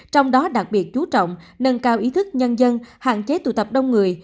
trong đó đặc biệt chú trọng nâng cao ý thức nhân dân hạn chế tụ tập đông người